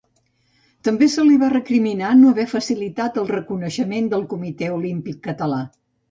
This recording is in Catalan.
També se li va recriminar no haver facilitat el reconeixement del Comitè Olímpic Català.